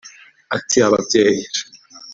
Ati “Ababyeyi